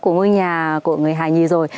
của ngôi nhà của người hà nghì rồi